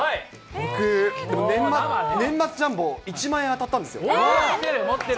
僕、年末ジャンボ、１万円当たっ持ってる。